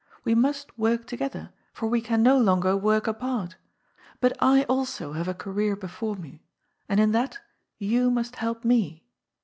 We must work together, for we can no longer work apart. But I also hare a career before me. And in that you must help me.